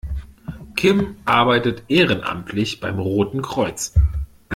Kim arbeitet ehrenamtlich beim Roten Kreuz.